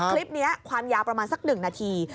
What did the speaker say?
คลิปนี้ความยาวประมาณสัก๑นาที